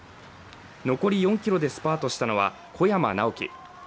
残り４ｋｍでスパートしたのは小山直城。